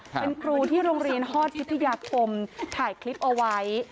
เป็นครูที่โรงเรียนฮอดพิทยาคมถ่ายคลิปเอาไว้